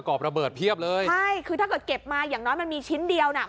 คือเท่าก่อนเก็บมามันมีชิ้นเดียวหน่ะ